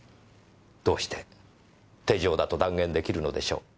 どうして手錠だと断言出来るのでしょう。